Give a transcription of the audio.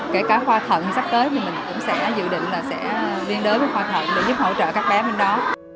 kể cả khoa thận sắp tới thì mình cũng sẽ dự định liên đối với khoa thận để giúp hỗ trợ các bé bên đó